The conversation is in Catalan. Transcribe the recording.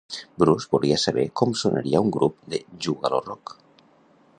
Bruce volia saber com sonaria un grup de "juggalo rock".